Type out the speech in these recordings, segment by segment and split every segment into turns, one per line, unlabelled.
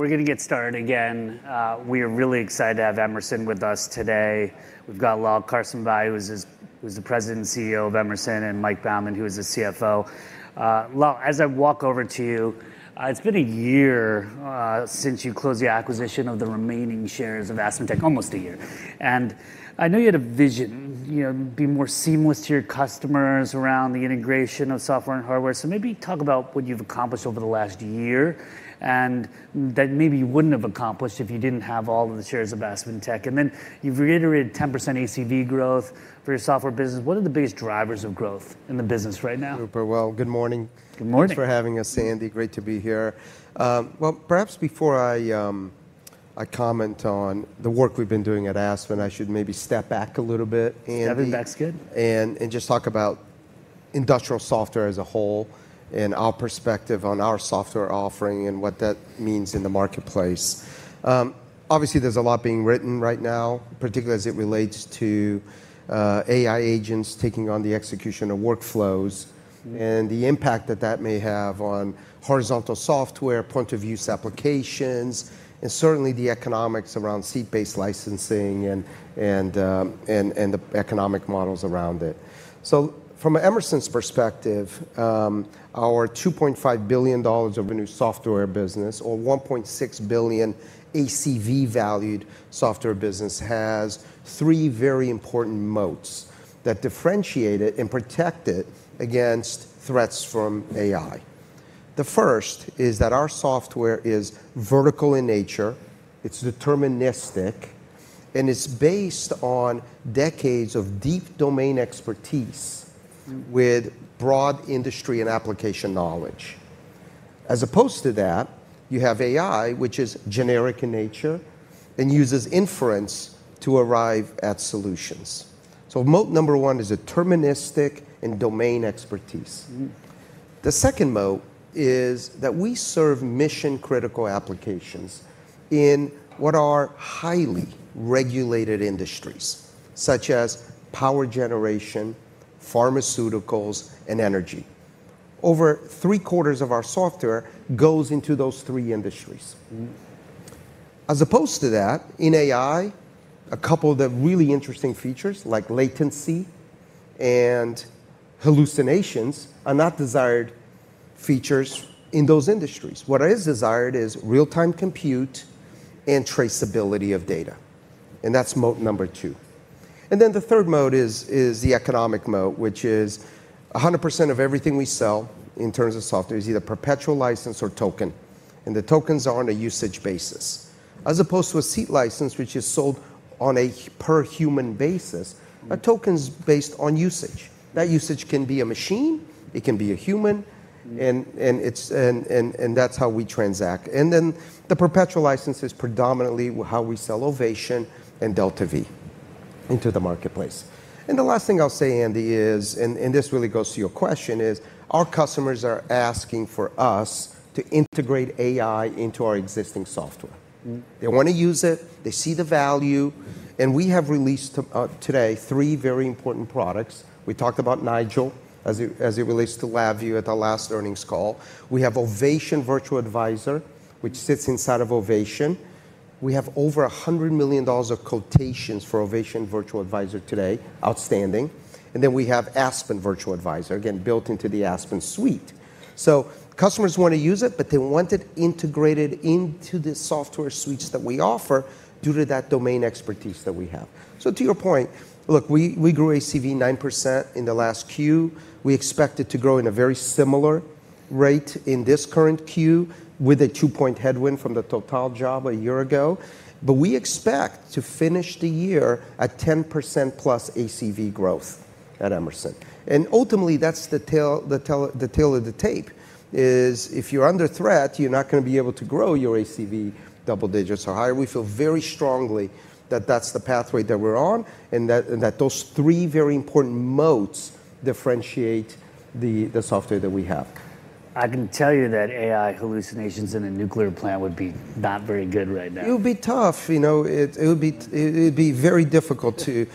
We're gonna get started again. We are really excited to have Emerson with us today. We've got Lal Karsanbhai, who's the President and CEO of Emerson, and Mike Baughman, who is the CFO. Lal, as I walk over to you, it's been a year since you closed the acquisition of the remaining shares of AspenTech, almost a year. And I know you had a vision, you know, be more seamless to your customers around the integration of software and hardware. So maybe talk about what you've accomplished over the last year, and that maybe you wouldn't have accomplished if you didn't have all of the shares of AspenTech. And then you've reiterated 10% ACV growth for your software business. What are the biggest drivers of growth in the business right now?
Super. Well, good morning.
Good morning.
Thanks for having us, Andy. Great to be here. Well, perhaps before I comment on the work we've been doing at Aspen, I should maybe step back a little bit, Andy-
Yeah, that's good....
and just talk about industrial software as a whole, and our perspective on our software offering, and what that means in the marketplace. Obviously, there's a lot being written right now, particularly as it relates to AI agents taking on the execution of workflows-
Mm...
and the impact that that may have on horizontal software, point-of-use applications, and certainly the economics around seat-based licensing, and the economic models around it. So from Emerson's perspective, our $2.5 billion of a new software business, or $1.6 billion ACV-valued software business, has three very important moats that differentiate it and protect it against threats from AI. The first is that our software is vertical in nature, it's deterministic, and it's based on decades of deep domain expertise-
Mm...
with broad industry and application knowledge. As opposed to that, you have AI, which is generic in nature, and uses inference to arrive at solutions. So moat number one is deterministic and domain expertise.
Mm-hmm.
The second moat is that we serve mission-critical applications in what are highly regulated industries, such as power generation, pharmaceuticals, and energy. Over three-quarters of our software goes into those three industries.
Mm.
As opposed to that, in AI, a couple of the really interesting features, like latency and hallucinations, are not desired features in those industries. What is desired is real-time compute and traceability of data, and that's moat number two. And then the third moat is, is the economic moat, which is 100% of everything we sell in terms of software is either perpetual license or token, and the tokens are on a usage basis. As opposed to a seat license, which is sold on a per-human basis-
Mm...
a token's based on usage. That usage can be a machine, it can be a human, and it's... And that's how we transact. And then the perpetual license is predominantly how we sell Ovation and DeltaV into the marketplace. And the last thing I'll say, Andy, is, and this really goes to your question, is our customers are asking for us to integrate AI into our existing software.
Mm.
They want to use it, they see the value, and we have released today three very important products. We talked about Nigel as it relates to LabVIEW at the last earnings call. We have Ovation Virtual Advisor, which sits inside of Ovation. We have over $100 million of quotations for Ovation Virtual Advisor today, outstanding. And then we have Aspen Virtual Advisor, again, built into the Aspen suite. So customers want to use it, but they want it integrated into the software suites that we offer due to that domain expertise that we have. So to your point, look, we grew ACV 9% in the last Q. We expect it to grow in a very similar rate in this current Q, with a two-point headwind from the Total job a year ago. But we expect to finish the year at 10%+ ACV growth at Emerson. Ultimately, that's the tale of the tape: if you're under threat, you're not gonna be able to grow your ACV double digits or higher. We feel very strongly that that's the pathway that we're on, and that those three very important moats differentiate the software that we have.
I can tell you that AI hallucinations in a nuclear plant would be not very good right now.
It would be tough. You know, it would be, it'd be very difficult to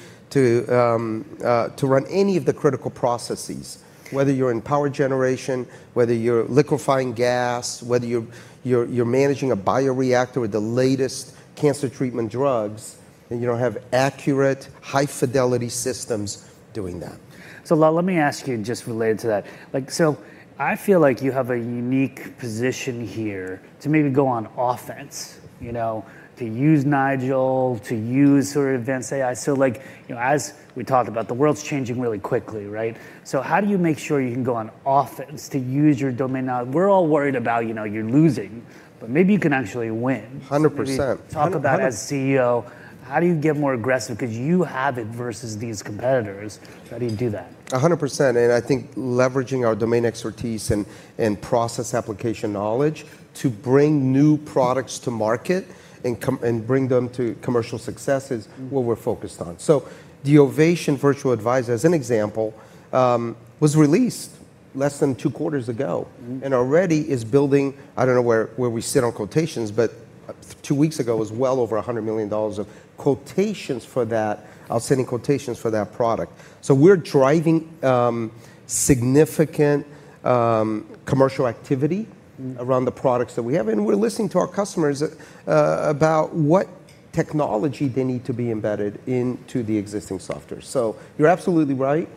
run any of the critical processes, whether you're in power generation, whether you're liquefying gas, whether you're managing a bioreactor with the latest cancer treatment drugs, and you don't have accurate, high-fidelity systems doing that.
So, Lal, let me ask you, just related to that. Like, so I feel like you have a unique position here to maybe go on offense, you know, to use Nigel, to use sort of advanced AI. So like, you know, as we talked about, the world's changing really quickly, right? So how do you make sure you can go on offense to use your domain knowledge? We're all worried about, you know, you're losing, but maybe you can actually win.
Hundred percent.
Talk about, as CEO, how do you get more aggressive? Because you have it versus these competitors. How do you do that?
100%, and I think leveraging our domain expertise and process application knowledge to bring new products to market and bring them to commercial success is-
Mm...
what we're focused on. So the Ovation Virtual Advisor, as an example, was released less than two quarters ago-
Mm...
and already is building, I don't know where, where we sit on quotations, but two weeks ago, it was well over $100 million of quotations for that, outstanding quotations for that product. So we're driving significant commercial activity-
Mm...
around the products that we have, and we're listening to our customers about the technology they need to be embedded into the existing software. So you're absolutely right.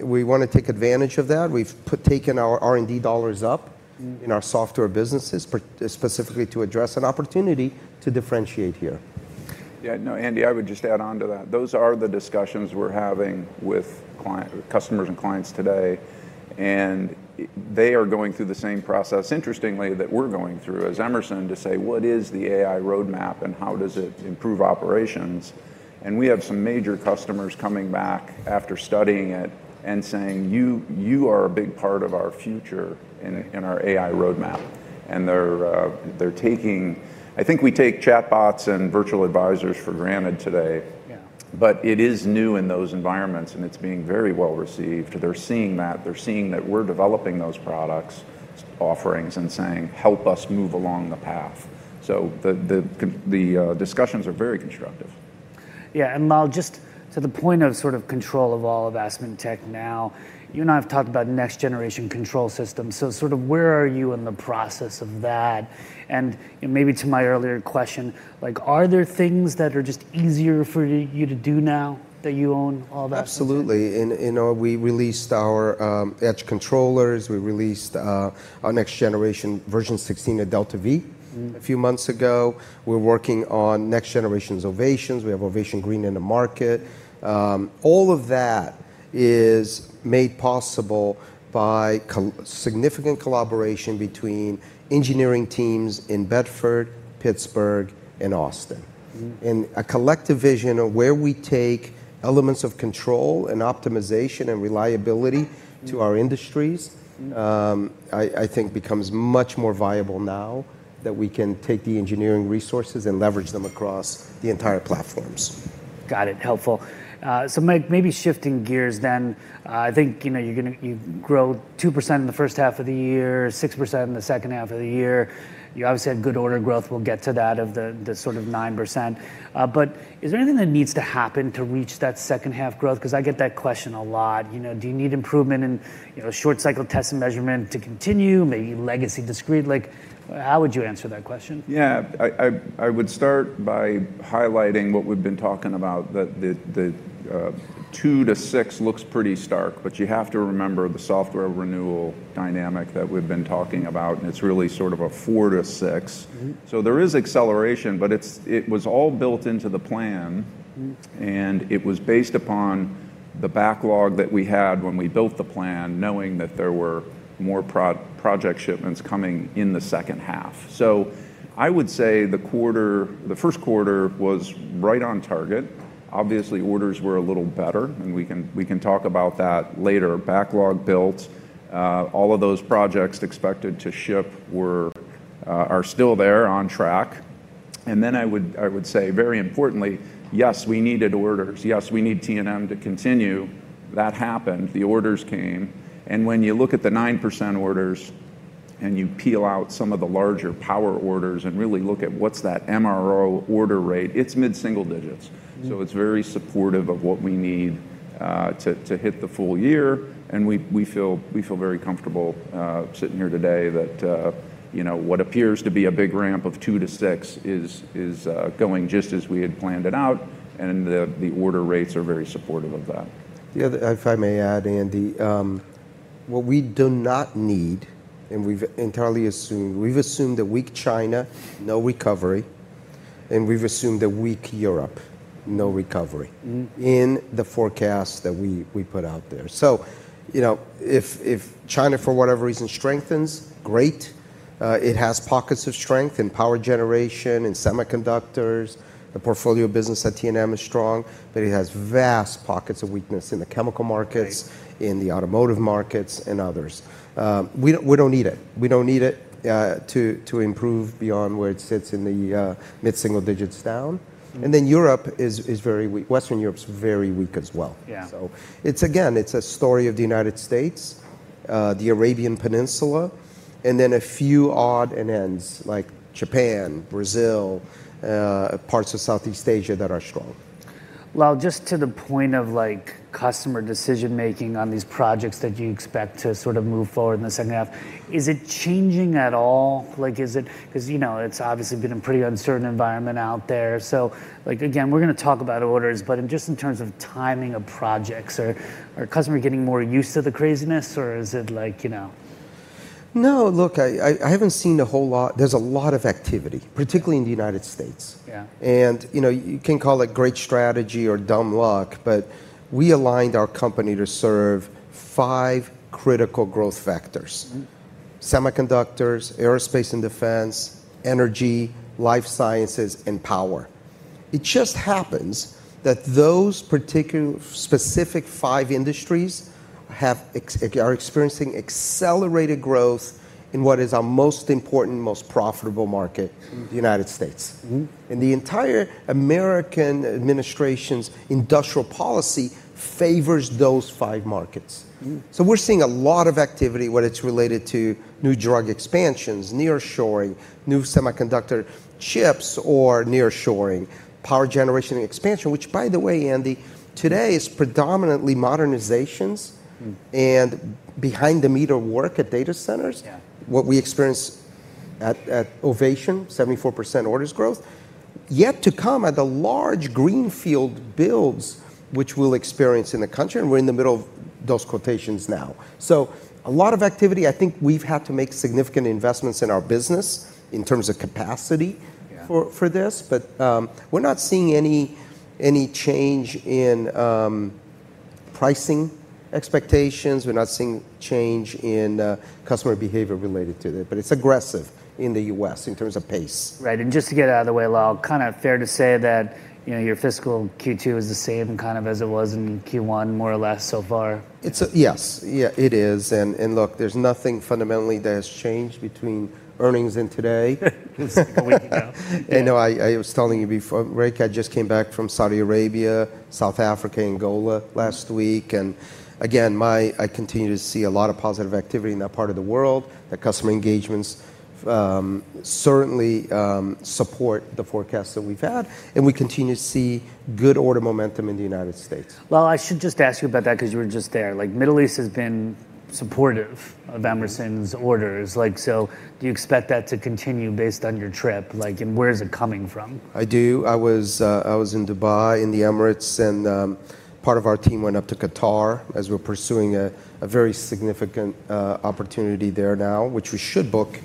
We wanna take advantage of that. We've taken our R&D dollars up-
Mm...
in our software businesses, specifically to address an opportunity to differentiate here.
Yeah, no, Andy, I would just add on to that. Those are the discussions we're having with clients and customers today, and they are going through the same process, interestingly, that we're going through as Emerson, to say, "What is the AI roadmap, and how does it improve operations?" And we have some major customers coming back after studying it and saying, "You, you are a big part of our future and our AI roadmap." And they're taking... I think we take chatbots and virtual advisors for granted today.
Yeah.
But it is new in those environments, and it's being very well-received. They're seeing that. They're seeing that we're developing those products, offerings, and saying, "Help us move along the path." So the discussions are very constructive.
Yeah, and Lal, just to the point of sort of control of all of AspenTech now, you and I have talked about next-generation control systems. So sort of where are you in the process of that? And, and maybe to my earlier question, like, are there things that are just easier for you to do now that you own all that?
Absolutely. In, you know, we released our edge controllers. We released our next generation version 16 of DeltaV.
Mm...
a few months ago. We're working on next generation Ovations. We have Ovation Green in the market. All of that is made possible by significant collaboration between engineering teams in Bedford, Pittsburgh, and Austin.
Mm.
A collective vision of where we take elements of control, and optimization, and reliability to our industries, I think becomes much more viable now that we can take the engineering resources and leverage them across the entire platforms.
Got it. Helpful. So maybe shifting gears then, I think, you know, you're gonna, you've grown 2% in the first half of the year, 6% in the second half of the year. You obviously had good order growth, we'll get to that, of the sort of 9%. But is there anything that needs to happen to reach that second half growth? Because I get that question a lot. You know, do you need improvement in, you know, short cycle test and measurement to continue, maybe legacy discrete? Like, how would you answer that question?
Yeah. I would start by highlighting what we've been talking about, that the 2-6 looks pretty stark, but you have to remember the software renewal dynamic that we've been talking about, and it's really sort of a 4-6.
Mm-hmm.
So there is acceleration, but it's-- it was all built into the plan-
Mm...
and it was based upon the backlog that we had when we built the plan, knowing that there were more project shipments coming in the second half. So I would say the quarter, the first quarter was right on target. Obviously, orders were a little better, and we can, we can talk about that later. Backlog built, all of those projects expected to ship were, are still there on track. And then I would, I would say, very importantly, yes, we needed orders. Yes, we need T&M to continue. That happened. The orders came, and when you look at the 9% orders, and you peel out some of the larger power orders and really look at what's that MRO order rate, it's mid-single digits.
Mm.
So it's very supportive of what we need, to hit the full year, and we feel very comfortable sitting here today that, you know, what appears to be a big ramp of 2-6 is going just as we had planned it out, and the order rates are very supportive of that.
The other... If I may add, Andy, what we do not need, and we've entirely assumed, we've assumed a weak China, no recovery, and we've assumed a weak Europe, no recovery-
Mm...
in the forecast that we put out there. So, you know, if China, for whatever reason, strengthens, great. It has pockets of strength in power generation, in semiconductors. The portfolio of business at T&M is strong, but it has vast pockets of weakness in the chemical markets-
Right...
in the automotive markets, and others. We don't need it to improve beyond where it sits in the mid-single digits down.
Mm.
Europe is very weak. Western Europe is very weak as well.
Yeah.
So it's, again, it's a story of the United States, the Arabian Peninsula, and then a few odds and ends, like Japan, Brazil, parts of Southeast Asia, that are strong.
Lal, just to the point of, like, customer decision-making on these projects that you expect to sort of move forward in the second half, is it changing at all? Like, is it... Because, you know, it's obviously been a pretty uncertain environment out there. So, like, again, we're gonna talk about orders, but in terms of timing of projects, are customers getting more used to the craziness, or is it like, you know?
No, look, I haven't seen a whole lot... There's a lot of activity, particularly in the United States.
Yeah.
You know, you can call it great strategy or dumb luck, but we aligned our company to serve five critical growth factors-
Mm...
semiconductors, Aerospace and Defense, energy, life sciences, and power. It just happens that those particular, specific five industries are experiencing accelerated growth in what is our most important, most profitable market-
Mm...
the United States.
Mm.
The entire American administration's industrial policy favors those five markets.
Mm.
So we're seeing a lot of activity, whether it's related to new drug expansions, nearshoring, new semiconductor chips, or nearshoring, power generation expansion, which by the way, Andy, today is predominantly modernizations-
Mm ...
and behind-the-meter work at data centers.
Yeah.
What we experienced at Ovation, 74% orders growth. Yet to come are the large greenfield builds, which we'll experience in the country, and we're in the middle of those quotations now. So a lot of activity. I think we've had to make significant investments in our business in terms of capacity-
Yeah...
for this, but we're not seeing any change in pricing expectations. We're not seeing change in customer behavior related to it, but it's aggressive in the US in terms of pace.
Right, and just to get it out of the way, Lal, kind of fair to say that, you know, your fiscal Q2 is the same, kind of as it was in Q1, more or less so far?
It's. Yes. Yeah, it is, and, and look, there's nothing fundamentally that has changed between earnings and today.
It was a week ago.
I know, I was telling you before, Rick, I just came back from Saudi Arabia, South Africa, Angola last week, and again, I continue to see a lot of positive activity in that part of the world. The customer engagements certainly support the forecast that we've had, and we continue to see good order momentum in the United States.
Well, I should just ask you about that because you were just there. Like, Middle East has been supportive of Emerson's-
Mm-hmm...
orders. Like, so do you expect that to continue based on your trip? Like, and where is it coming from?
I do. I was, I was in Dubai, in the Emirates, and, part of our team went up to Qatar, as we're pursuing a, a very significant, opportunity there now, which we should book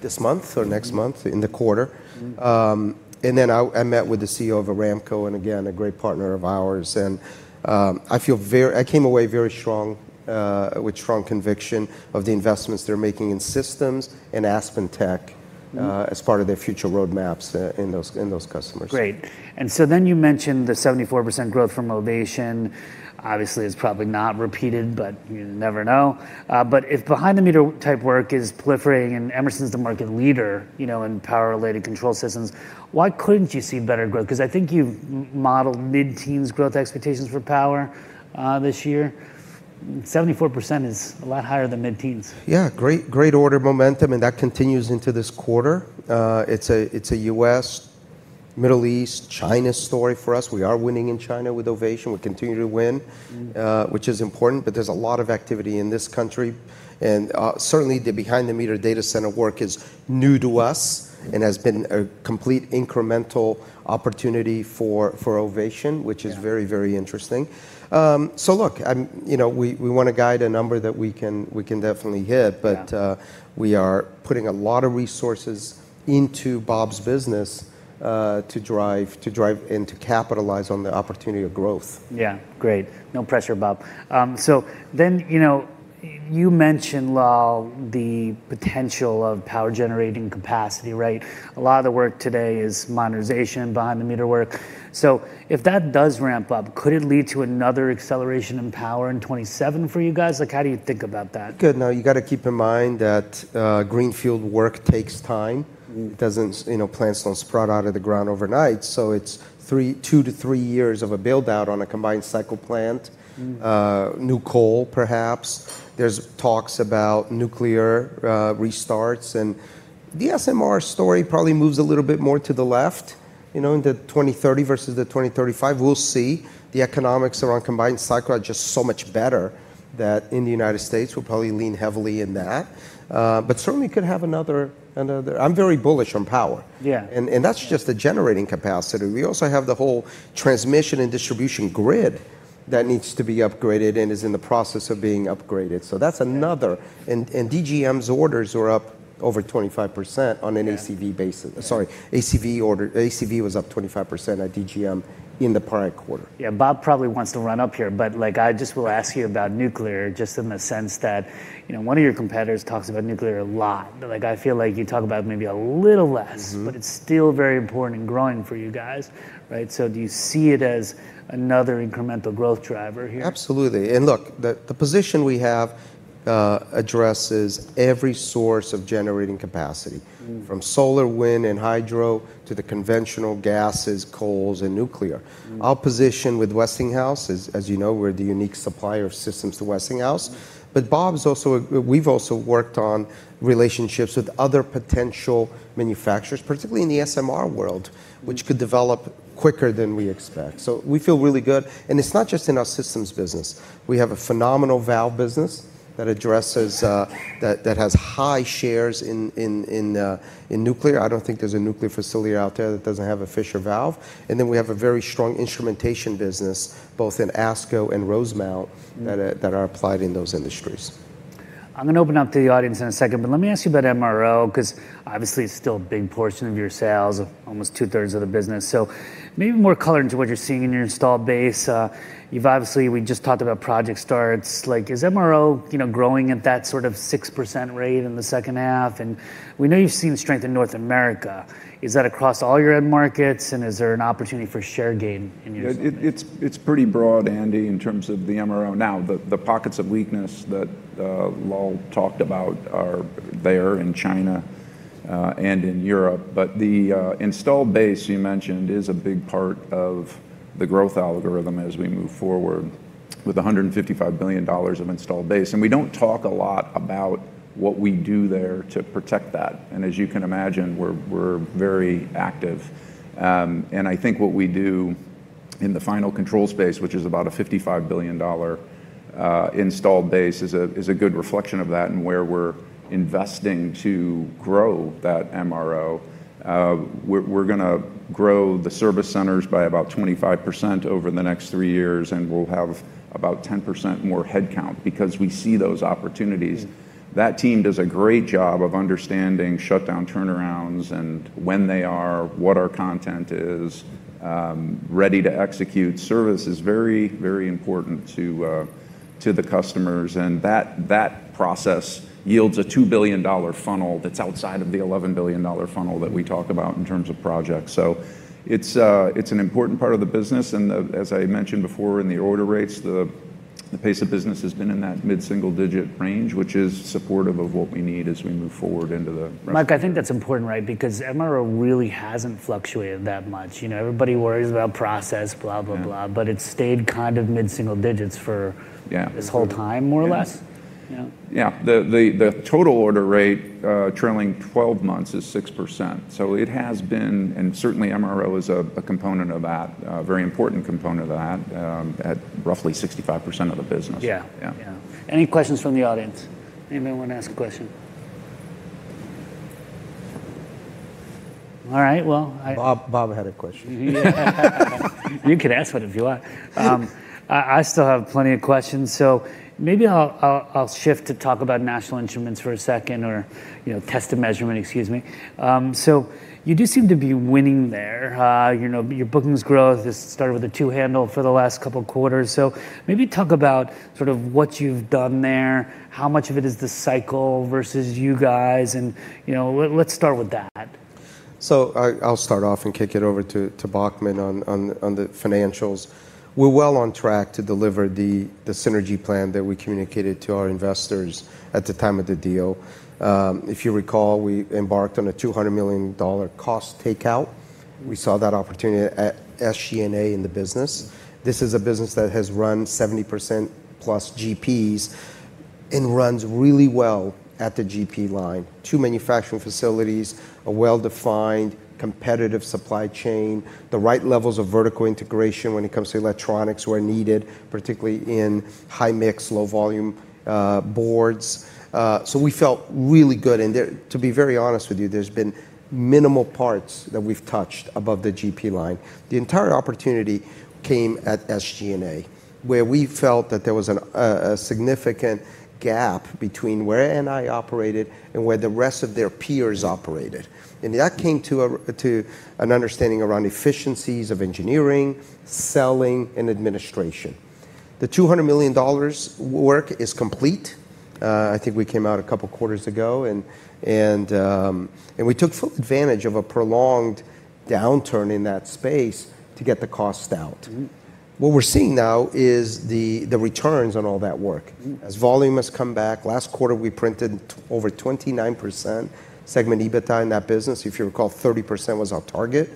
this month or next month.
Mm...
in the quarter.
Mm-hmm.
and then I met with the CEO of Aramco, and again, a great partner of ours, and, I feel very... I came away very strong, with strong conviction of the investments they're making in systems and AspenTech-
Mm...
as part of their future roadmaps, in those customers.
Great. And so then you mentioned the 74% growth from Ovation. Obviously, it's probably not repeated, but you never know. But if behind-the-meter type work is proliferating and Emerson's the market leader, you know, in power-related control systems, why couldn't you see better growth? Because I think you've modeled mid-teens growth expectations for power, this year. Seventy-four percent is a lot higher than mid-teens.
Yeah, great, great order momentum, and that continues into this quarter. It's a U.S., Middle East, China story for us. We are winning in China with Ovation. We continue to win-
Mm...
which is important, but there's a lot of activity in this country, and certainly, the behind-the-meter data center work is new to us and has been a complete incremental opportunity for Ovation-
Yeah...
which is very, very interesting. So look, I'm, you know, we, we want to guide a number that we can, we can definitely hit.
Yeah.
But, we are putting a lot of resources into Bob's business, to drive and to capitalize on the opportunity of growth.
Yeah, great. No pressure, Bob. So then, you know, you mentioned, Lal, the potential of power-generating capacity, right? A lot of the work today is modernization, behind-the-meter work. So if that does ramp up, could it lead to another acceleration in power in 2027 for you guys? Like, how do you think about that?
Good. No, you gotta keep in mind that, greenfield work takes time.
Mm.
It doesn't, you know, plants don't sprout out of the ground overnight, so it's 2-3 years of a build-out on a combined cycle plant.
Mm.
New coal, perhaps. There's talks about nuclear restarts, and the SMR story probably moves a little bit more to the left, you know, in the 2030 versus the 2035. We'll see. The economics around combined cycle are just so much better that in the United States, we'll probably lean heavily in that, but certainly could have another, another... I'm very bullish on power.
Yeah.
And, that's just the generating capacity. We also have the whole transmission and distribution grid that needs to be upgraded and is in the process of being upgraded. So that's another-
Yeah...
DGM's orders are up over 25% on an ACV basis-
Yeah.
Sorry, ACV order, ACV was up 25% at DGM in the prior quarter.
Yeah, Bob probably wants to run up here, but, like, I just will ask you about nuclear, just in the sense that, you know, one of your competitors talks about nuclear a lot. Like, I feel like you talk about it maybe a little less-
Mm-hmm...
but it's still very important and growing for you guys, right? So do you see it as another incremental growth driver here?
Absolutely, and look, the position we have addresses every source of generating capacity-
Mm...
from solar, wind, and hydro to the conventional gases, coals, and nuclear.
Mm.
Our position with Westinghouse is, as you know, we're the unique supplier of systems to Westinghouse. But Bob's also, we've also worked on relationships with other potential manufacturers, particularly in the SMR world-
Mm...
which could develop quicker than we expect. So we feel really good, and it's not just in our systems business. We have a phenomenal valve business that addresses that has high shares in nuclear. I don't think there's a nuclear facility out there that doesn't have a Fisher valve, and then we have a very strong instrumentation business, both in ASCO and Rosemount-
Mm...
that, that are applied in those industries.
I'm gonna open up to the audience in a second, but let me ask you about MRO, 'cause obviously, it's still a big portion of your sales, almost two-thirds of the business. So maybe more color into what you're seeing in your installed base. You've obviously, we just talked about project starts. Like, is MRO, you know, growing at that sort of 6% rate in the second half? And we know you've seen the strength in North America. Is that across all your end markets, and is there an opportunity for share gain in your-
It's pretty broad, Andy, in terms of the MRO. Now, the pockets of weakness that Lal talked about are there in China and in Europe, but the installed base you mentioned is a big part of the growth algorithm as we move forward with $155 billion of installed base, and we don't talk a lot about what we do there to protect that, and as you can imagine, we're very active. And I think what we do in the final control space, which is about a $55 billion installed base, is a good reflection of that and where we're investing to grow that MRO. We're gonna grow the service centers by about 25% over the next three years, and we'll have about 10% more headcount because we see those opportunities.
Mm.
That team does a great job of understanding shutdown turnarounds and when they are, what our content is, ready to execute. Service is very, very important to the customers, and that process yields a $2 billion funnel that's outside of the $11 billion funnel that we talk about in terms of projects. So it's an important part of the business, and as I mentioned before in the order rates, the pace of business has been in that mid-single-digit range, which is supportive of what we need as we move forward into the rest of the year.
Mike, I think that's important, right? Because MRO really hasn't fluctuated that much. You know, everybody worries about process, blah, blah, blah-
Yeah...
but it's stayed kind of mid-single digits for-
Yeah
this whole time, more or less.
Yes.
Yeah.
Yeah. The total order rate, Trailing Twelve Months is 6%, so it has been... And certainly MRO is a component of that, a very important component of that, at roughly 65% of the business.
Yeah.
Yeah.
Yeah. Any questions from the audience? Anyone want to ask a question? All right, well, I-
Bob, Bob had a question.
You can ask one if you want. I still have plenty of questions, so maybe I'll shift to talk about National Instruments for a second, or, you know, test and measurement, excuse me. So you do seem to be winning there. You know, your bookings growth has started with a two handle for the last couple quarters. So maybe talk about sort of what you've done there, how much of it is the cycle versus you guys, and, you know, let's start with that.
So I'll start off and kick it over to Baughman on the financials. We're well on track to deliver the synergy plan that we communicated to our investors at the time of the deal. If you recall, we embarked on a $200 million cost takeout. We saw that opportunity at SG&A in the business. This is a business that has run 70%+ GPs and runs really well at the GP line. Two manufacturing facilities, a well-defined, competitive supply chain, the right levels of vertical integration when it comes to electronics where needed, particularly in high-mix, low-volume boards. So we felt really good, and there, to be very honest with you, there's been minimal parts that we've touched above the GP line. The entire opportunity came at SG&A, where we felt that there was a significant gap between where NI operated and where the rest of their peers operated, and that came to an understanding around efficiencies of engineering, selling, and administration. The $200 million work is complete. I think we came out a couple of quarters ago, and we took full advantage of a prolonged downturn in that space to get the costs out.
Mm.
What we're seeing now is the returns on all that work.
Mm.
As volume has come back, last quarter, we printed over 29% segment EBITDA in that business. If you recall, 30% was our target.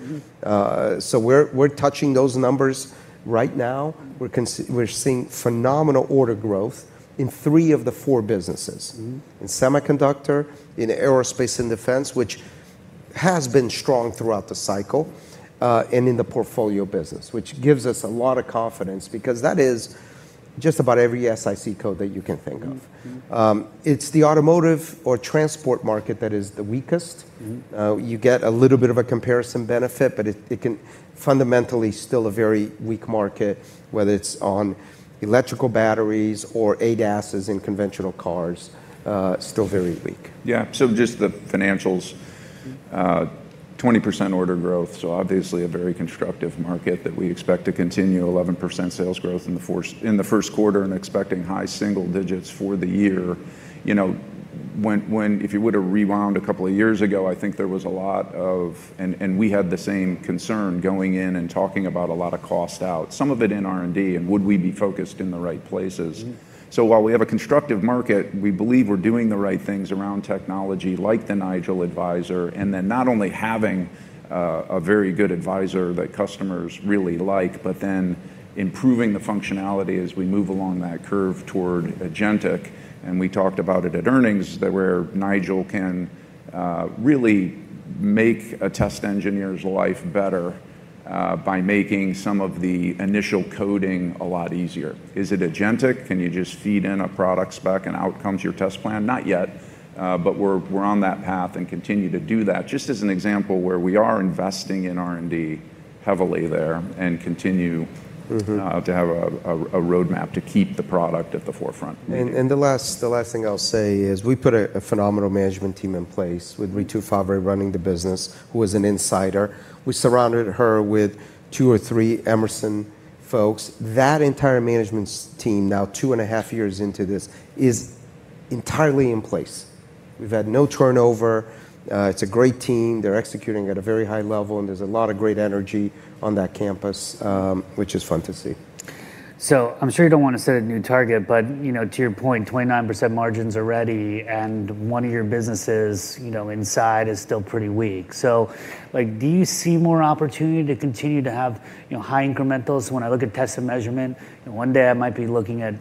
Mm.
So we're touching those numbers right now.
Mm.
We're seeing phenomenal order growth in three of the four businesses.
Mm...
in Semiconductor, in Aerospace and Defense, which has been strong throughout the cycle, and in the portfolio business, which gives us a lot of confidence because that is just about every SIC code that you can think of.
Mm. Mm.
It's the automotive or transport market that is the weakest.
Mm.
you get a little bit of a comparison benefit, but it, it can fundamentally still a very weak market, whether it's on electrical batteries or ADASs in conventional cars, still very weak.
Yeah. So just the financials, 20% order growth, so obviously a very constructive market that we expect to continue. 11% sales growth in the first quarter and expecting high single digits for the year. You know, when... if you were to rewind a couple of years ago, I think there was a lot of... And we had the same concern going in and talking about a lot of cost out, some of it in R&D, and would we be focused in the right places?
Mm.
So while we have a constructive market, we believe we're doing the right things around technology, like the Nigel Advisor, and then not only having a very good advisor that customers really like, but then improving the functionality as we move along that curve toward agentic, and we talked about it at earnings, that where Nigel can really make a test engineer's life better by making some of the initial coding a lot easier. Is it agentic? Can you just feed in a product spec and out comes your test plan? Not yet, but we're on that path and continue to do that, just as an example, where we are investing in R&D heavily there and continue-
Mm-hmm...
to have a roadmap to keep the product at the forefront.
And the last thing I'll say is, we put a phenomenal management team in place-
Mm...
with Ritu Favre running the business, who is an insider. We surrounded her with two or three Emerson folks. That entire management team, now two and a half years into this, is entirely in place. We've had no turnover. It's a great team. They're executing at a very high level, and there's a lot of great energy on that campus, which is fun to see.
So I'm sure you don't want to set a new target, but, you know, to your point, 29% margins already, and one of your businesses, you know, inside is still pretty weak. So, like, do you see more opportunity to continue to have, you know, high incrementals when I look at test and measurement? And one day I might be looking at-...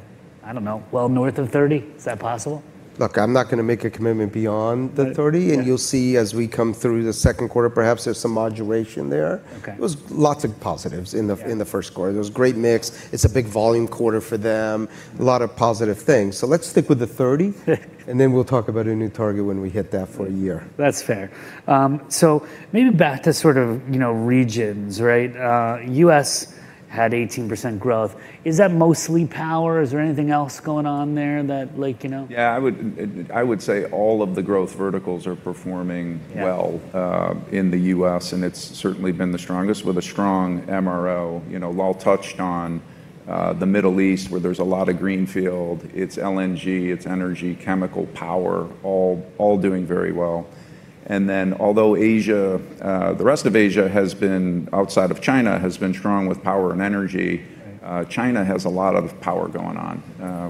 I don't know, well, north of 30%? Is that possible?
Look, I'm not gonna make a commitment beyond the 30.
Right, yeah.
You'll see as we come through the second quarter, perhaps there's some moderation there.
Okay.
There's lots of positives in the-
Yeah...
in the first quarter. There's great mix, it's a big volume quarter for them, a lot of positive things. So let's stick with the 30- and then we'll talk about a new target when we hit that for a year.
That's fair. So maybe back to sort of, you know, regions, right? U.S. had 18% growth. Is that mostly power? Is there anything else going on there that, like, you know?
Yeah, I would say all of the growth verticals are performing well-
Yeah...
in the U.S., and it's certainly been the strongest, with a strong MRO. You know, Lal touched on the Middle East, where there's a lot of greenfield. It's LNG, it's energy, chemical, power, all, all doing very well. And then, although Asia, the rest of Asia has been, outside of China, has been strong with power and energy-
Right...
China has a lot of power going on,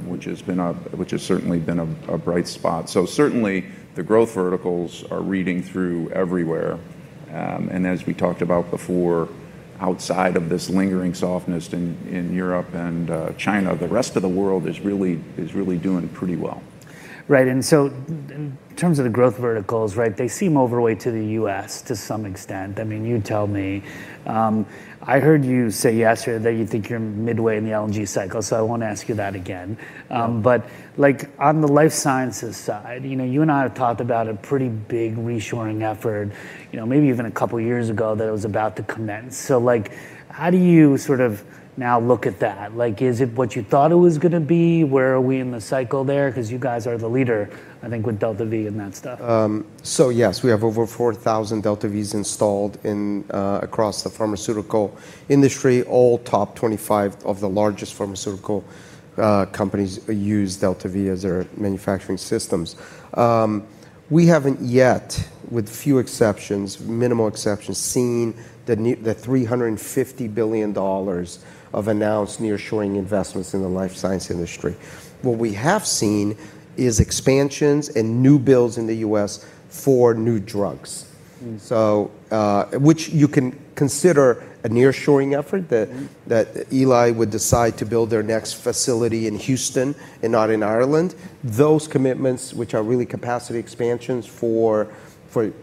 which has certainly been a bright spot. So certainly, the growth verticals are reading through everywhere. And as we talked about before, outside of this lingering softness in Europe and China, the rest of the world is really doing pretty well.
Right, and so in terms of the growth verticals, right, they seem overweight to the U.S. to some extent. I mean, you tell me. I heard you say yesterday that you think you're midway in the LNG cycle, so I won't ask you that again.
Mm.
But, like, on the life sciences side, you know, you and I have talked about a pretty big reshoring effort, you know, maybe even a couple of years ago, that it was about to commence. So, like, how do you sort of now look at that? Like, is it what you thought it was gonna be? Where are we in the cycle there? 'Cause you guys are the leader, I think, with DeltaV and that stuff.
So yes, we have over 4,000 DeltaVs installed in, across the pharmaceutical industry. All top 25 of the largest pharmaceutical companies use DeltaV as their manufacturing systems. We haven't yet, with few exceptions, minimal exceptions, seen the $350 billion of announced nearshoring investments in the life science industry. What we have seen is expansions and new builds in the U.S. for new drugs.
Mm.
So, which you can consider a nearshoring effort-
Mm...
that Eli would decide to build their next facility in Houston and not in Ireland. Those commitments, which are really capacity expansions for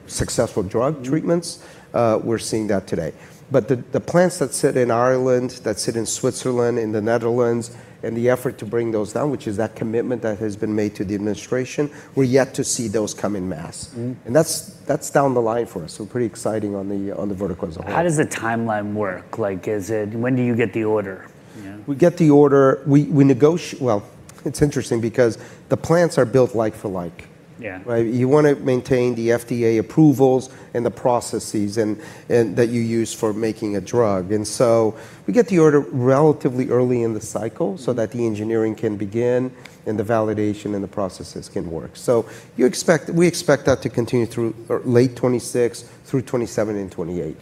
successful drug treatments-
Mm...
we're seeing that today. But the plants that sit in Ireland, that sit in Switzerland, in the Netherlands, and the effort to bring those down, which is that commitment that has been made to the administration, we're yet to see those come en masse.
Mm.
And that's down the line for us, so pretty exciting on the verticals as a whole.
How does the timeline work? Like, is it? When do you get the order? Yeah.
We get the order, well, it's interesting, because the plants are built like for like.
Yeah.
Right? You wanna maintain the FDA approvals and the processes and, and that you use for making a drug. And so we get the order relatively early in the cycle so that the engineering can begin, and the validation and the processes can work. So you expect. We expect that to continue through late 2026 through 2027 and 2028.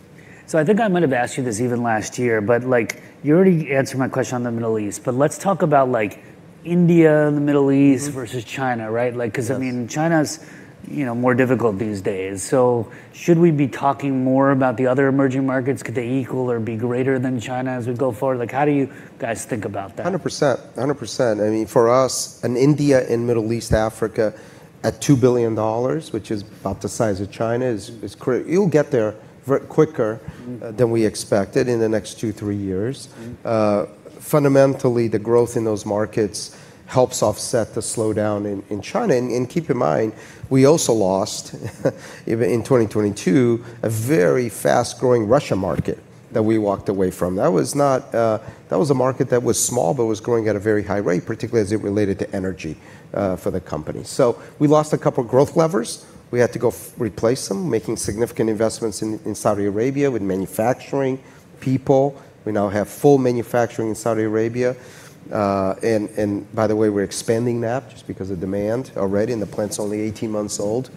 So I think I might have asked you this even last year, but, like, you already answered my question on the Middle East. But let's talk about, like, India and the Middle East.
Mm...
versus China, right?
Yes.
Like, 'cause, I mean, China's, you know, more difficult these days. So should we be talking more about the other emerging markets? Could they equal or be greater than China as we go forward? Like, how do you guys think about that?
100%. 100%. I mean, for us, and India and Middle East, Africa, at $2 billion, which is about the size of China, is crazy. It'll get there very quicker-
Mm...
than we expected in the next 2-3 years.
Mm.
Fundamentally, the growth in those markets helps offset the slowdown in China. Keep in mind, we also lost in 2022 a very fast-growing Russia market that we walked away from. That was a market that was small but was growing at a very high rate, particularly as it related to energy for the company. So we lost a couple growth levers. We had to go replace them, making significant investments in Saudi Arabia with manufacturing, people. We now have full manufacturing in Saudi Arabia. By the way, we're expanding that just because of demand already, and the plant's only 18 months old,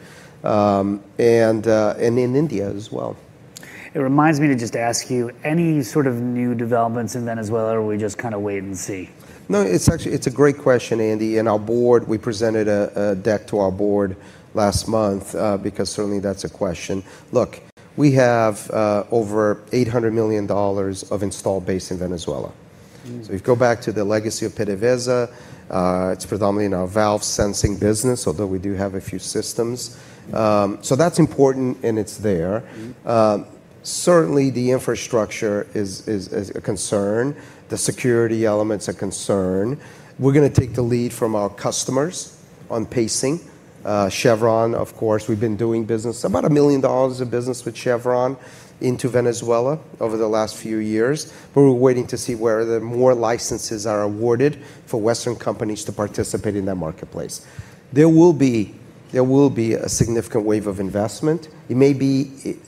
and in India as well.
It reminds me to just ask you, any sort of new developments in Venezuela, or we just kind of wait and see?
No, it's actually a great question, Andy. And our board, we presented a deck to our board last month, because certainly that's a question. Look, we have over $800 million of installed base in Venezuela.
Mm.
So if you go back to the legacy of PDVSA, it's predominantly in our valve sensing business, although we do have a few systems.
Mm.
That's important, and it's there.
Mm.
Certainly, the infrastructure is a concern. The security element's a concern. We're gonna take the lead from our customers on pacing. Chevron, of course, we've been doing business, about $1 million of business with Chevron into Venezuela over the last few years, but we're waiting to see where the more licenses are awarded for Western companies to participate in that marketplace. There will be a significant wave of investment. It may be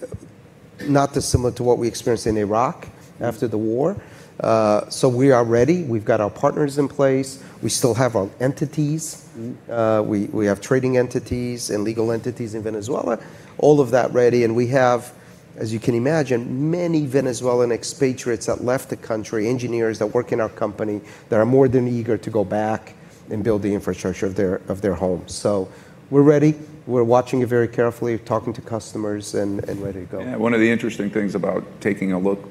not dissimilar to what we experienced in Iraq after the war.
Mm.
We are ready. We've got our partners in place. We still have our entities.
Mm.
We have trading entities and legal entities in Venezuela, all of that ready, and we have, as you can imagine, many Venezuelan expatriates that left the country, engineers that work in our company, that are more than eager to go back and build the infrastructure of their home. So we're ready. We're watching it very carefully, talking to customers, and ready to go.
Yeah, one of the interesting things about taking a look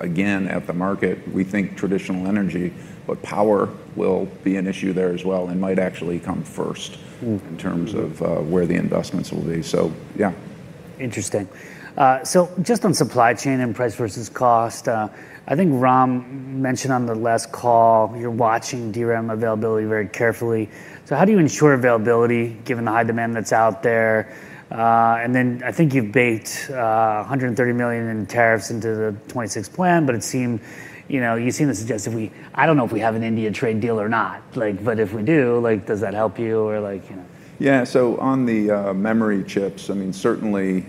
again at the market, we think traditional energy, but power will be an issue there as well, and might actually come first-
Mm.
In terms of where the investments will be. So, yeah.
Interesting. So just on supply chain and price versus cost, I think Ram mentioned on the last call, you're watching DRAM availability very carefully. So how do you ensure availability, given the high demand that's out there? And then I think you've baked $130 million in tariffs into the 2026 plan, but it seemed, you know, you seem to suggest if we—I don't know if we have an India trade deal or not. Like, but if we do, like, does that help you or like, you know?
Yeah, so on the memory chips, I mean, certainly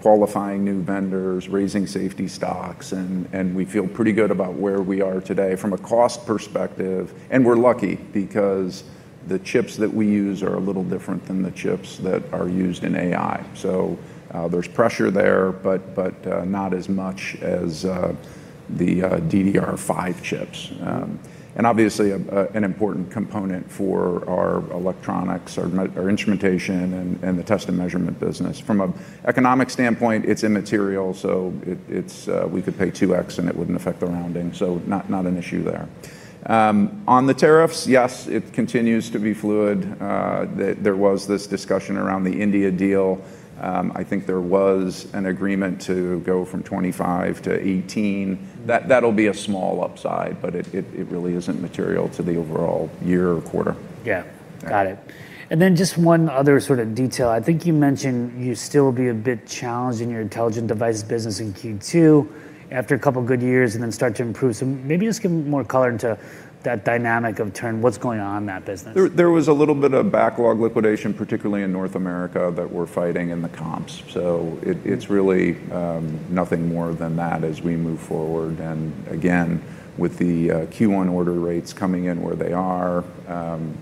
qualifying new vendors, raising safety stocks, and we feel pretty good about where we are today from a cost perspective. And we're lucky, because the chips that we use are a little different than the chips that are used in AI. So there's pressure there, but not as much as the DDR5 chips. And obviously, an important component for our electronics, our instrumentation, and the test and measurement business. From an economic standpoint, it's immaterial, so we could pay 2x, and it wouldn't affect the rounding, so not an issue there. On the tariffs, yes, it continues to be fluid. There was this discussion around the India deal. I think there was an agreement to go from 25 to 18. That, that'll be a small upside, but it really isn't material to the overall year or quarter.
Yeah.
Yeah.
Got it. And then just one other sort of detail. I think you mentioned you'll still be a bit challenged in your Intelligent Devices business in Q2, after a couple good years, and then start to improve. So maybe just give more color into that dynamic of turn. What's going on in that business?
There was a little bit of backlog liquidation, particularly in North America, that we're fighting in the comps. So it, it's really, nothing more than that as we move forward. And again, with the, Q1 order rates coming in where they are,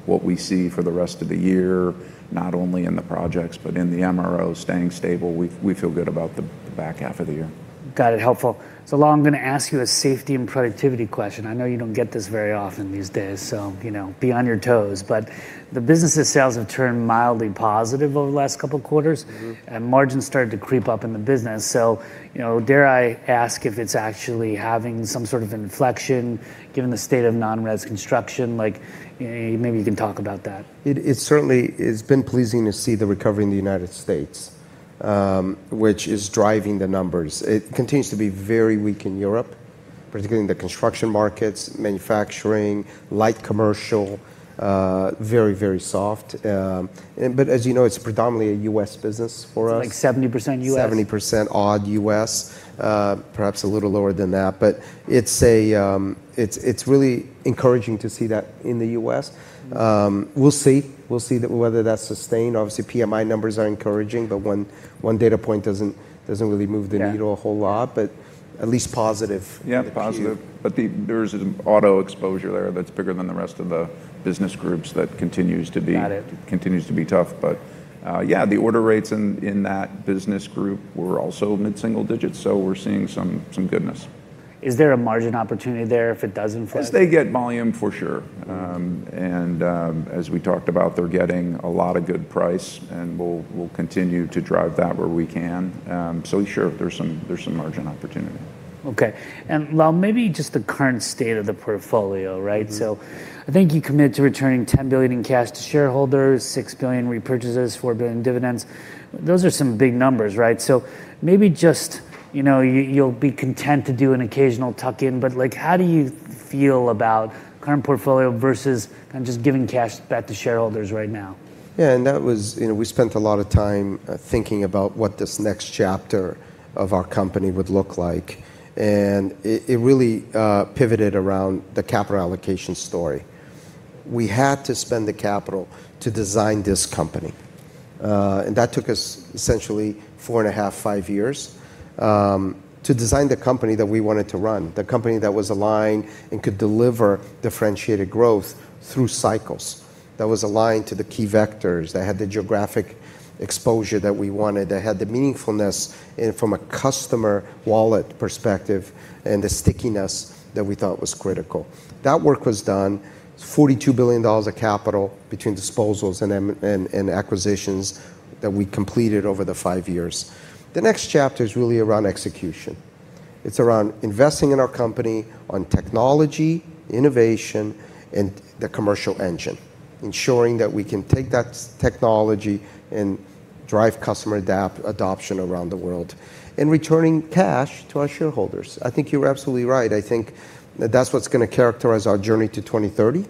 what we see for the rest of the year, not only in the projects but in the MRO staying stable, we, we feel good about the, the back half of the year.
Got it. Helpful. So Lal, I'm gonna ask you a Safety and Productivity question. I know you don't get this very often these days, so, you know, be on your toes. But the business's sales have turned mildly positive over the last couple of quarters-
Mm-hmm.
Margins started to creep up in the business. So, you know, dare I ask if it's actually having some sort of inflection, given the state of non-res construction? Like, maybe you can talk about that.
It certainly, it's been pleasing to see the recovery in the United States, which is driving the numbers. It continues to be very weak in Europe, particularly in the construction markets, manufacturing, light commercial, very, very soft. But as you know, it's predominantly a US business for us.
Like 70% U.S.
70% odd US, perhaps a little lower than that, but it's really encouraging to see that in the US.
Mm-hmm.
We'll see. We'll see whether that's sustained. Obviously, PMI numbers are encouraging, but one data point doesn't really move the needle.
Yeah
a whole lot, but at least positive.
Yeah, positive. But there's an auto exposure there that's bigger than the rest of the business groups that continues to be-
Got it...
continues to be tough. But, yeah, the order rates in that business group were also mid-single digits, so we're seeing some goodness.
Is there a margin opportunity there if it does improve?
As they get volume, for sure.
Mm-hmm.
As we talked about, they're getting a lot of good price, and we'll continue to drive that where we can. So sure, there's some margin opportunity.
Okay. Lal, maybe just the current state of the portfolio, right?
Mm-hmm.
I think you committed to returning $10 billion in cash to shareholders, $6 billion repurchases, $4 billion dividends. Those are some big numbers, right? So maybe just, you know, you, you'll be content to do an occasional tuck in, but, like, how do you feel about current portfolio versus kind of just giving cash back to shareholders right now?
Yeah, and that was... You know, we spent a lot of time thinking about what this next chapter of our company would look like, and it really pivoted around the capital allocation story. We had to spend the capital to design this company, and that took us essentially 4.5-5 years to design the company that we wanted to run, the company that was aligned and could deliver differentiated growth through cycles, that was aligned to the key vectors, that had the geographic exposure that we wanted, that had the meaningfulness in it from a customer wallet perspective, and the stickiness that we thought was critical. That work was done. $42 billion of capital between disposals and M&A and acquisitions that we completed over the 5 years. The next chapter is really around execution. It's around investing in our company on technology, innovation, and the commercial engine, ensuring that we can take that technology and drive customer adoption around the world, and returning cash to our shareholders. I think you're absolutely right. I think that that's what's gonna characterize our journey to 2030.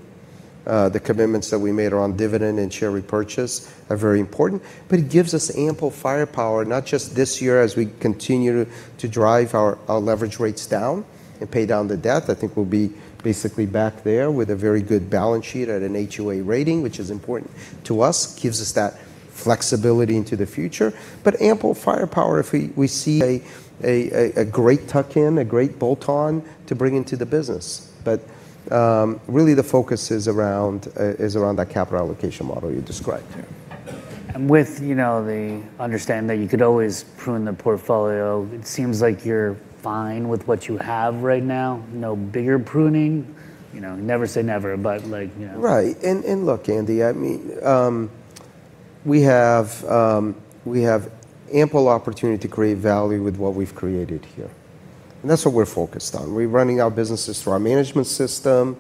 The commitments that we made around dividend and share repurchase are very important, but it gives us ample firepower, not just this year, as we continue to drive our leverage rates down and pay down the debt. I think we'll be basically back there with a very good balance sheet at an A rating, which is important to us, gives us that flexibility into the future, but ample firepower if we see a great tuck-in, a great bolt-on to bring into the business. But, really, the focus is around that capital allocation model you described.
With, you know, the understanding that you could always prune the portfolio, it seems like you're fine with what you have right now. No bigger pruning? You know, never say never, but, like, you know.
Right. And look, Andy, I mean... We have, we have ample opportunity to create value with what we've created here, and that's what we're focused on. We're running our businesses through our management system.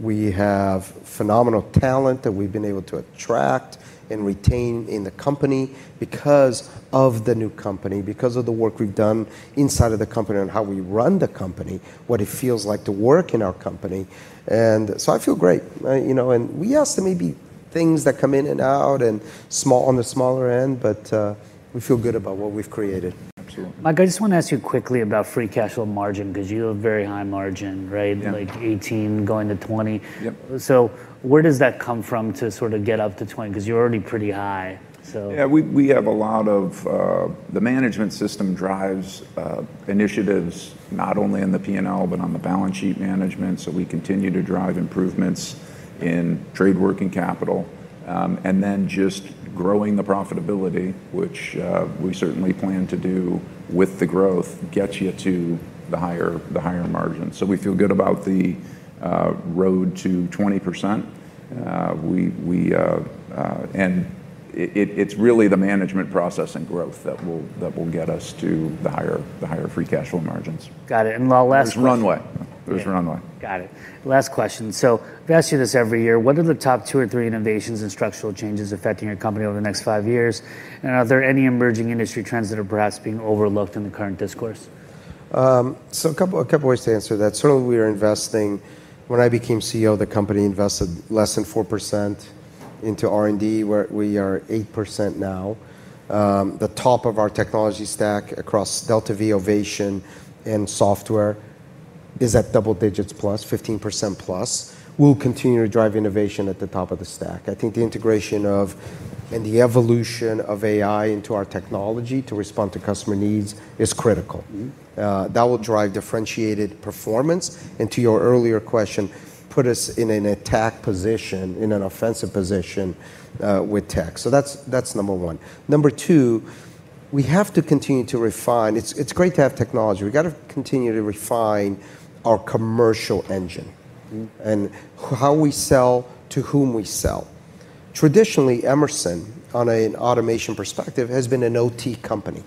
We have phenomenal talent that we've been able to attract and retain in the company because of the new company, because of the work we've done inside of the company and how we run the company, what it feels like to work in our company. And so I feel great, right? You know, and yes, there may be things that come in and out, and on the smaller end, but we feel good about what we've created.
Absolutely.
Mike, I just want to ask you quickly about free cash flow margin, because you have a very high margin, right?
Yeah.
Like 18 going to 20.
Yep.
Where does that come from to sort of get up to 20? Because you're already pretty high, so-
Yeah, we have a lot of. The management system drives initiatives not only in the P&L, but on the balance sheet management. So we continue to drive improvements in trade working capital. And then just growing the profitability, which we certainly plan to do with the growth, gets you to the higher margins. So we feel good about the road to 20%. And it, it's really the management process and growth that will get us to the higher free cash flow margins.
Got it. And last-
There's runway. There's runway.
Got it. Last question, so we ask you this every year: What are the top two or three innovations and structural changes affecting your company over the next five years? And are there any emerging industry trends that are perhaps being overlooked in the current discourse?
So a couple, a couple ways to answer that. Certainly, we are investing. When I became CEO, the company invested less than 4% into R&D, where we are 8% now. The top of our technology stack across DeltaV, Ovation, and software is at double digits plus, 15% plus. We'll continue to drive innovation at the top of the stack. I think the integration of, and the evolution of AI into our technology to respond to customer needs is critical.
Mm-hmm.
That will drive differentiated performance, and to your earlier question, put us in an attack position, in an offensive position, with tech. So that's, that's number one. Number two, we have to continue to refine. It's, it's great to have technology. We've got to continue to refine our commercial engine-
Mm-hmm...
and how we sell, to whom we sell. Traditionally, Emerson, on an automation perspective, has been an OT company.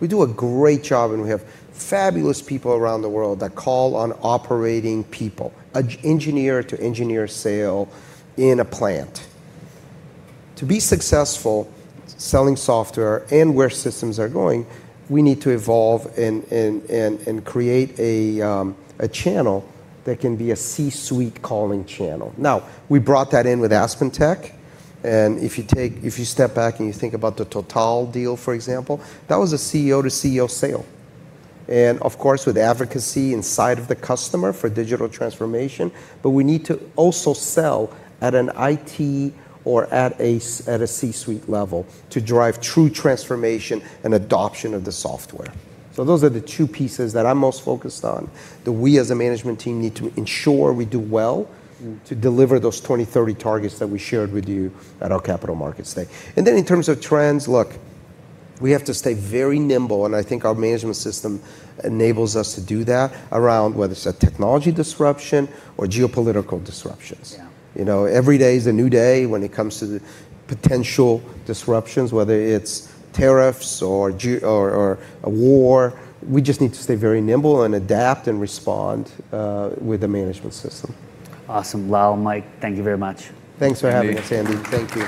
We do a great job, and we have fabulous people around the world that call on operating people, an engineer-to-engineer sale in a plant. To be successful selling software and where systems are going, we need to evolve and create a channel that can be a C-suite calling channel. Now, we brought that in with AspenTech, and if you step back and you think about the Total deal, for example, that was a CEO to CEO sale. And of course, with advocacy inside of the customer for digital transformation, but we need to also sell at an IT or at a C-suite level to drive true transformation and adoption of the software. So those are the two pieces that I'm most focused on, that we as a management team need to ensure we do well-
Mm-hmm...
to deliver those 2030 targets that we shared with you at our Capital Markets Day. And then in terms of trends, look, we have to stay very nimble, and I think our management system enables us to do that around whether it's a technology disruption or geopolitical disruptions.
Yeah.
You know, every day is a new day when it comes to the potential disruptions, whether it's tariffs or a war. We just need to stay very nimble and adapt and respond with a management system.
Awesome. Well, Mike, thank you very much.
Thanks for having us, Andy.
Thank you.
Thank you.